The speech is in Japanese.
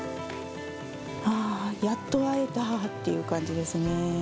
ああ、やっと会えたっていう感じですね。